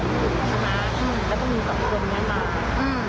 เธอมาทำเนี่ยเลิกงานแล้วมีคนอื่นมาไหม